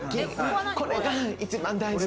これが一番大事。